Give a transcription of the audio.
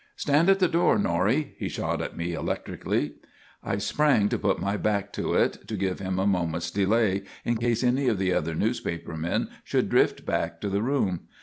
"Stand at the door, Norrie!" he shot at me electrically. I sprang to put my back to it, to give him a moment's delay in case any of the other newspaper men should drift back to the room.